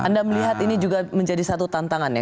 anda melihat ini juga menjadi satu tantangannya